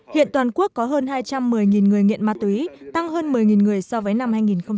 hiện toàn quốc có hơn hai trăm một mươi người nghiện ma túy tăng hơn một mươi người so với năm hai nghìn một mươi tám